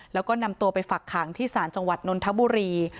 แล้วก็นำตัวไปฝักขังที่ศาลจังหวัดนนทบุรี